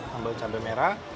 sambal cabai merah